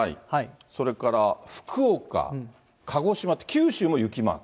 それから福岡、鹿児島と、九州も雪マーク？